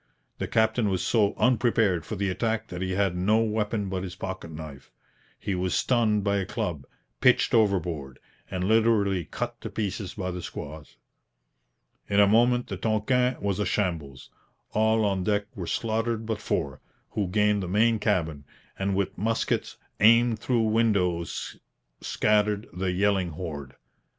The captain was so unprepared for the attack that he had no weapon but his pocket knife. He was stunned by a club, pitched overboard, and literally cut to pieces by the squaws. In a moment the Tonquin was a shambles. All on deck were slaughtered but four, who gained the main cabin, and with muskets aimed through windows scattered the yelling horde.